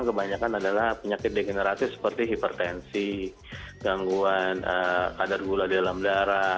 kebanyakan adalah penyakit degeneratif seperti hipertensi gangguan kadar gula dalam darah